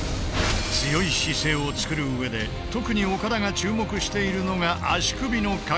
強い姿勢を作る上で特に岡田が注目しているのが足首の角度。